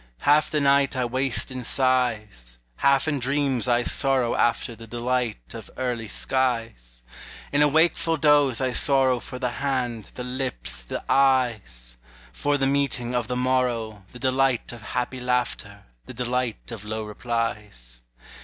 Half the night I waste in sighs, Half in dreams I sorrow after The delight of early skies; In a wakeful doze I sorrow For the hand, the lips, the eyes For the meeting of the morrow, The delight of happy laughter, The delight of low replies.